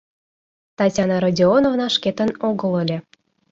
Татьяна Родионовна шкетын огыл ыле.